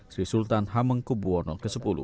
sri sultan hamengkubuwono x